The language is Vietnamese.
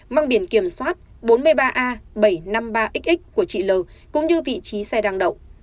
mang biển kiểm soát bốn mươi ba a bảy trăm năm mươi ba x của chị l cũng như vị trí xe đang đậu